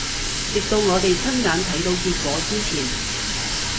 直到我哋親眼睇到結果之前